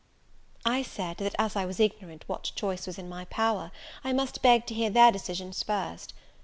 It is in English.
I said, that as I was ignorant what choice was in my power, I must beg to hear their decisions first.